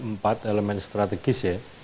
empat elemen strategis ya